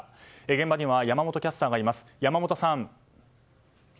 現場には山本キャスターがいます。